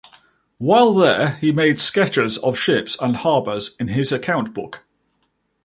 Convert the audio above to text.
While there, he made sketches of ships and harbors in his account books.